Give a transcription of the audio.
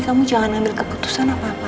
kamu jangan ambil keputusan apa apa